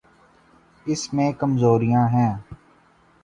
اس میں کمزوریاں ہیں۔